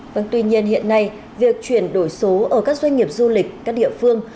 vâng tuy nhiên hiện nay việc chuyển đổi số ở các doanh nghiệp du lịch các địa phương